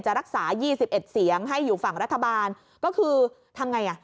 รักษา๒๑เสียงให้อยู่ฝั่งรัฐบาลก็คือทำไงอ่ะ